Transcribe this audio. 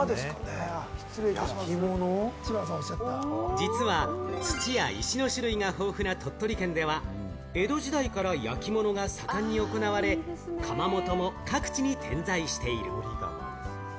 実は、土や石の豊富な鳥取県では、江戸時代から焼き物が盛んに行われ、窯元も各地に点在している。